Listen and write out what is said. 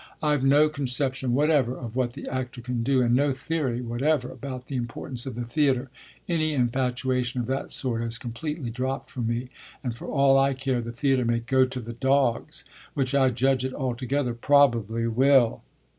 I've no conception whatever of what the actor can do, and no theory whatever about the importance of the theatre. Any infatuation of that sort has completely dropped from me, and for all I care the theatre may go to the dogs which I judge it altogether probably will!"